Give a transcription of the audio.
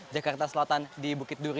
jakarta selatan di bukit duri